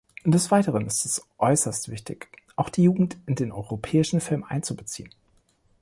Des Weiteren ist es äußerst wichtig, auch die Jugend in den europäischen Film einzubeziehen.